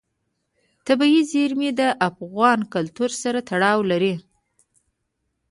طبیعي زیرمې د افغان کلتور سره تړاو لري.